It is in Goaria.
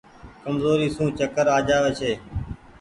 ڪمزوري سون چڪر آ جآوي ڇي۔